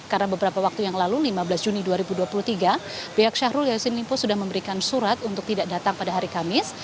karena beberapa waktu yang lalu lima belas juni dua ribu dua puluh tiga pihak syahrul yassin limpo sudah memberikan surat untuk tidak datang pada hari kamis